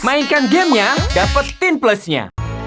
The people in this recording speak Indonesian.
mainkan gamenya dapetin plusnya